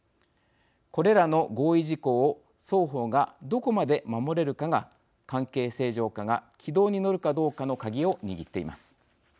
これらの合意事項を双方がどこまで守れるかが関係正常化が軌道に乗るかどうかの鍵を握っています。